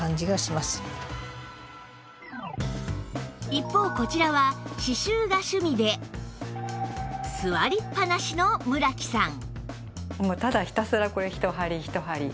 一方こちらは刺繍が趣味で座りっぱなしの村木さん